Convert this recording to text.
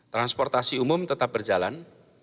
transportasi umum tetap berjalan